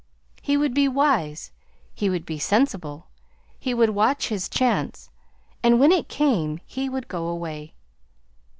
He would be wise he would be sensible. He would watch his chance, and when it came he would go away.